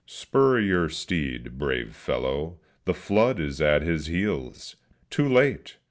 Spur up your steed, brave fellow the flood is at his heels! Too late!